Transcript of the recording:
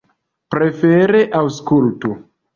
Prefere aŭskultu!